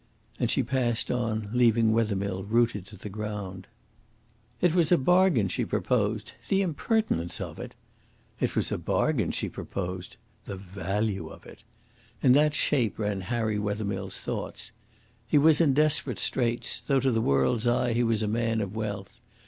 And she passed on, leaving Wethermill rooted to the ground. It was a bargain she proposed the impertinence of it! It was a bargain she proposed the value of it! In that shape ran Harry Wethermill's thoughts. He was in desperate straits, though to the world's eye he was a man of wealth.